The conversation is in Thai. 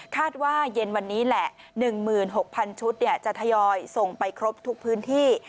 ว่าเย็นวันนี้แหละ๑๖๐๐๐ชุดจะทยอยส่งไปครบทุกพื้นที่